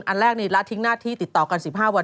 อันแรกนี่ละทิ้งหน้าที่ติดต่อกัน๑๕วัน